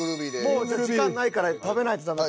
もう時間ないから食べないとダメか。